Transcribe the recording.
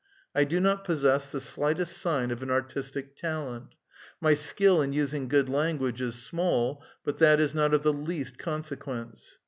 I do not possess the slightest sign of an artistic talent. 2Iy skill in using good language is small, but that is not of the least consequence.